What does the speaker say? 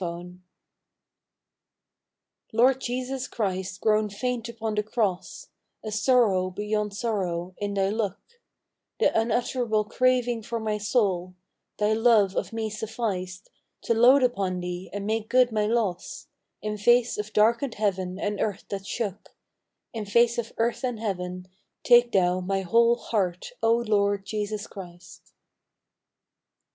T ORD JESUS CHRIST grown faint ^ Cross, A sorrow beyond sorrow in Thy look, The unutterable craving for my soul, Thy love of me sufficed To load upon Thee and make good my loss In face of darkened heaven and earth that In face of earth and heaven, take Thou Heart, O Lord Jesus Christ.